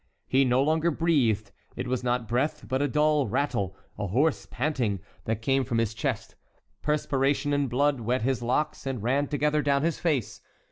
He no longer breathed; it was not breath, but a dull rattle, a hoarse panting, that came from his chest. Perspiration and blood wet his locks and ran together down his face.